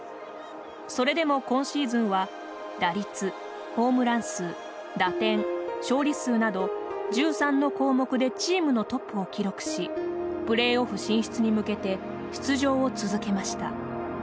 それでも今シーズンは打率ホームラン数打点勝利数など１３の項目でチームのトップを記録しプレーオフ進出に向けて出場を続けました。